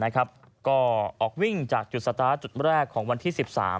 ก็ออกวิ่งจากจุดสตาร์ทจุดแรกของวันที่๑๓